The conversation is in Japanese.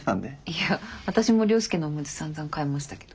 いや私も涼介のおむつさんざん替えましたけど。